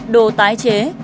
đồ tái chế